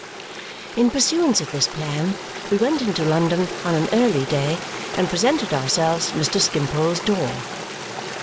In pursuance of this plan, we went into London on an early day and presented ourselves at Mr. Skimpole's door.